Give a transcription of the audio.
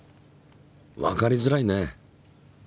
わかりづらいね。